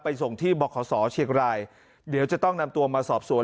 ส่งที่บขศเชียงรายเดี๋ยวจะต้องนำตัวมาสอบสวน